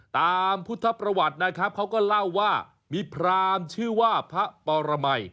ตามพุทธประวัตินะครับเขาก็เล่าว่ามีพรามชื่อว่าพระปรมัย